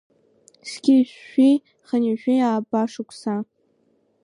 Зқьи жәшәи хынҩажәи аба шықәса…